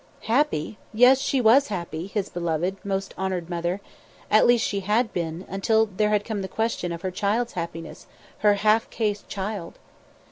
Happy! Yes, she was happy, his beloved, most honoured mother; at least she had been, until there had come the question of her child's happiness, her half caste child!